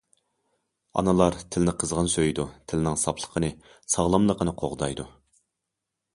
ئانىلار تىلنى قىزغىن سۆيىدۇ، تىلنىڭ ساپلىقىنى، ساغلاملىقىنى قوغدايدۇ.